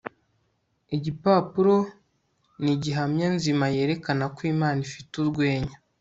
igipapuro ni gihamya nzima yerekana ko imana ifite urwenya